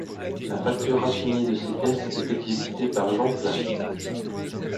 La facture raffinée de ces pièces est exécutée par Jean Plain.